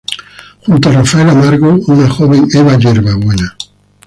Junto a Rafael Amargo, una joven Eva Yerbabuena.